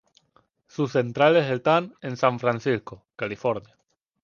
Sus centrales están en San Francisco, California.